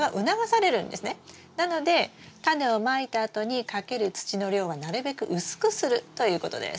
なのでタネをまいたあとにかける土の量はなるべく薄くするということです。